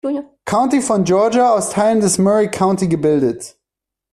County von Georgia aus Teilen des Murray County gebildet.